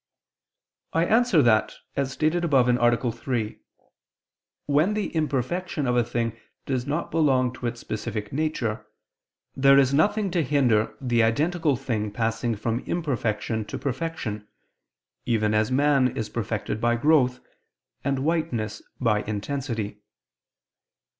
I answer that, As stated above (A. 3), when the imperfection of a thing does not belong to its specific nature, there is nothing to hinder the identical thing passing from imperfection to perfection, even as man is perfected by growth, and whiteness by intensity.